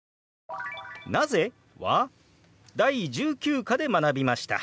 「なぜ？」は第１９課で学びました。